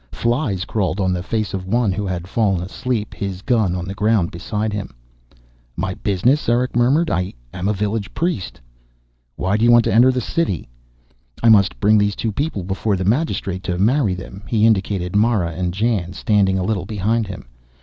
Flies crawled on the face of one who had fallen asleep, his gun on the ground beside him. "My business?" Erick murmured. "I am a village priest." "Why do you want to enter the City?" "I must bring these two people before the magistrate to marry them." He indicated Mara and Jan, standing a little behind him.